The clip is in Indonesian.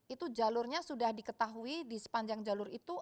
itu jalurnya sudah diketahui di sepanjang jalur itu